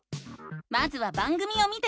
まずは番組を見てみよう！